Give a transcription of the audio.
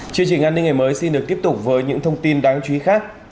chương trình an ninh ngày mới xin được tiếp tục với những thông tin đáng chú ý khác